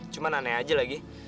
cuma aneh aja lagi